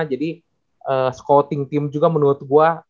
jadi scouting team juga menurut gue